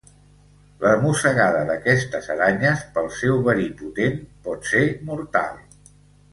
La mossegada d'aquestes aranyes, pel seu verí potent, pot ser mortal.